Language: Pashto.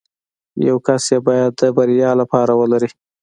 يو کس يې بايد د بريا لپاره ولري.